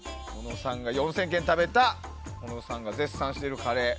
４０００件食べた小野さんが絶賛しているカレー。